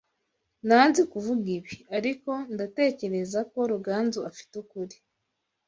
Nanze kuvuga ibi, ariko ndatekereza ko Ruganzu afite ukuri.